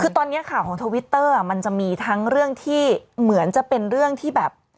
คือตอนนี้ข่าวของทวิตเตอร์มันจะมีทั้งเรื่องที่เหมือนจะเป็นเรื่องที่แบบ